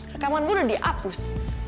rekaman gue udah dihapus